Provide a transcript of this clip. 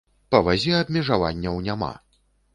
Па вазе абмежаванняў няма!